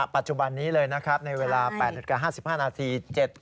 ปัจจุบันนี้เลยนะครับในเวลา๘นาฬิกา๕๕นาที